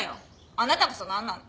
あなたこそなんなの？